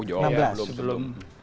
oh ya belum